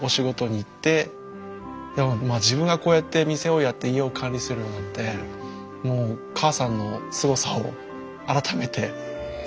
自分がこうやって店をやって家を管理するようになってもう母さんのすごさを改めて実感しました。